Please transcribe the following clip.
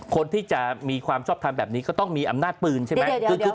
คนที่จะมีความชอบทำแบบนี้ก็ต้องมีอำนาจปืนใช่ไหม